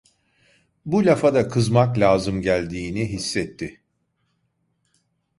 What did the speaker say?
Bu lafa da kızmak lazım geldiğini hissetti.